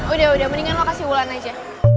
udah udah mendingan lo kasih wulan aja